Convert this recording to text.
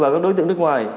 và các đối tượng nước ngoài